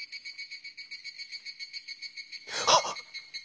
はっ！